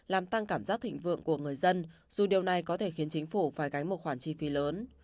làm tăng cảm giác thịnh vượng của người dân dù điều này có thể khiến chính phủ phải gánh một khoản chi phí lớn